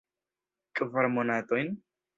Kvar monatojn?